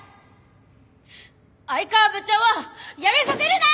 愛川部長を辞めさせるなー！